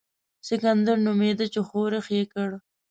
سکندر نومېدی چې ښورښ یې کړ.